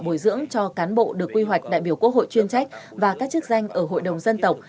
bồi dưỡng cho cán bộ được quy hoạch đại biểu quốc hội chuyên trách và các chức danh ở hội đồng dân tộc